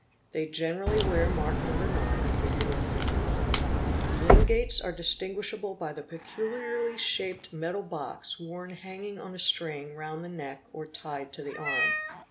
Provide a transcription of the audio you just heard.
They generally wear mark No. 9 (Fig. 151). Lingaits are distin guishable by the peculiarly shaped metal box worn hanging on a string round the neck or tied to the arm.